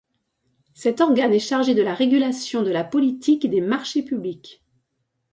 Cet organe est chargé de la régulation de la politique des marchés publics.